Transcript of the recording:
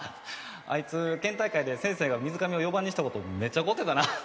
あいつ県大会で先生が水上を４番にしたことめっちゃ怒ってたな。